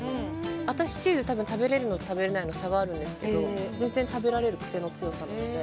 私、多分チーズは食べられるのと食べられないので差があるんですけど全然食べられる癖の強さなんで。